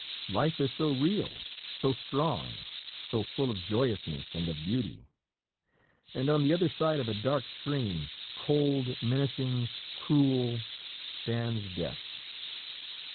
Life is so real, so strong, so full of joyousness and of beauty, and on the other side of a dark stream, cold, menacing, cruel, stands Death.